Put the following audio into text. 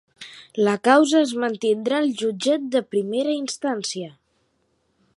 La causa es mantindrà al jutjat de primera instància